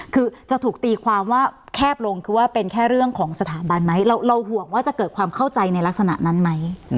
คือจะถูกตีความว่าแคบลงคือว่าเป็นแค่เรื่องของสถาบันไหมเราห่วงว่าจะเกิดความเข้าใจในลักษณะนั้นไหม